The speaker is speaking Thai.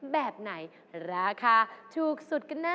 แบบไหนราคาถูกสุดกันแน่